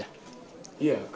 ya kami untuk